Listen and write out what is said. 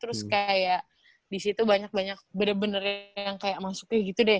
terus kayak disitu banyak banyak bener bener yang kayak masuk kayak gitu deh